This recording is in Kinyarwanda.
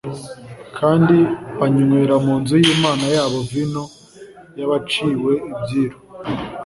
kandi banywera mu nzu y’Imana yabo vino y’abaciwe ibyiru.